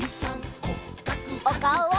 おかおを！